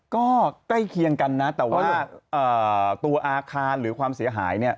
ก็ใกล้เคียงกันนะแต่ว่าตัวอาคารหรือความเสียหายเนี่ย